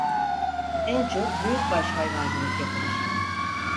En çok büyükbaş hayvancılık yapılır.